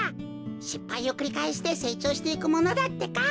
しっぱいをくりかえしてせいちょうしていくものだってか。